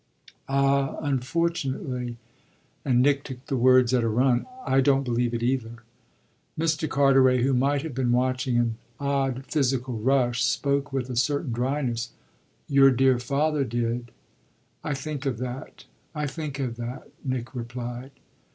"Ah unfortunately" and Nick took the words at a run "I don't believe it either." Mr. Carteret, who might have been watching an odd physical rush, spoke with a certain dryness. "Your dear father did." "I think of that I think of that," Nick replied.